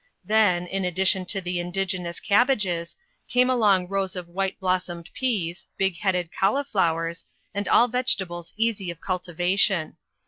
Then, in addition to the indigenous cabbages, came long rows of white blossomed peas, big headed cauliflowers, and all vegetables easy of cultivation.